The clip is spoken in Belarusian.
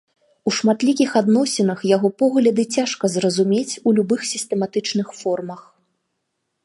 У шматлікіх адносінах яго погляды цяжка зразумець у любых сістэматычных формах.